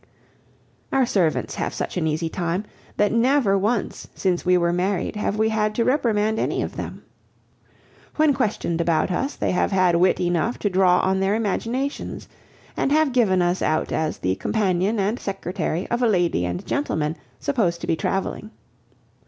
Our servants have such an easy time, that never once since we were married have we had to reprimand any of them. When questioned about us, they have had wit enough to draw on their imaginations, and have given us out as the companion and secretary of a lady and gentleman supposed to be traveling.